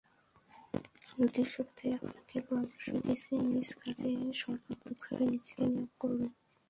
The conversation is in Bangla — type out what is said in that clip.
চলতি সপ্তাহে আপনাকে পরামর্শ দিচ্ছি, নিজ কাজে সর্বাত্মকভাবে নিজেকে নিয়োগ করুন।